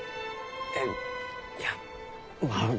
えいやまあ。